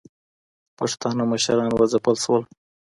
پښتانه مشران وځپل سول